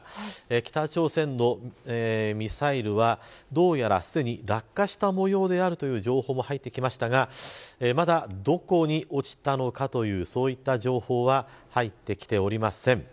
北朝鮮のミサイルは、どうやらすでに落下したもようであるという情報も入ってきましたがまだ、どこに落ちたのかという情報は入ってきておりません。